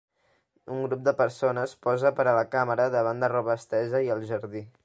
Un grup de persones posa per a la càmera davant de roba estesa i el jardí.